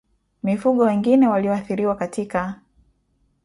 Mifugo wengine walioathiriwa katika